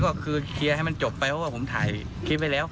ก็คือเคลียร์ให้มันจบไปเพราะว่าผมถ่ายคลิปไว้แล้ว